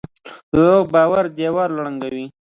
دروغ د باور دیوال ړنګوي.